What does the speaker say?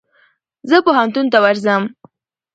زه پوهنتون ته ورځم.